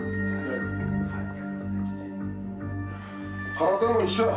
体も一緒や。